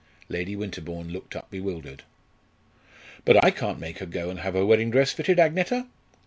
Lady Winterbourne looked up bewildered. "But I can't make her go and have her wedding dress fitted, Agneta!